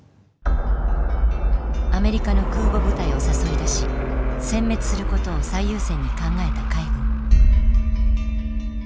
アメリカの空母部隊を誘い出しせん滅することを最優先に考えた海軍。